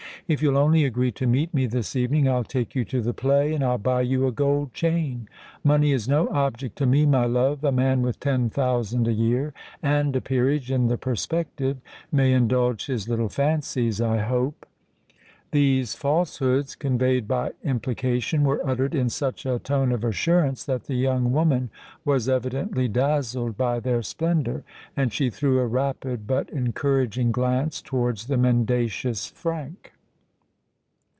"If you'll only agree to meet me this evening, I'll take you to the play—and I'll buy you a gold chain. Money is no object to me, my love: a man with ten thousand a year—and a peerage in the perspective—may indulge his little fancies, I hope." These falsehoods, conveyed by implication, were uttered in such a tone of assurance, that the young woman was evidently dazzled by their splendour; and she threw a rapid, but encouraging glance towards the mendacious Frank.